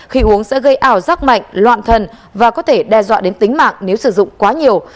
khi uống sẽ gây ảo giác mạnh loạn thần và có thể đe dọa đến tính mạng nếu sử dụng quá nhiều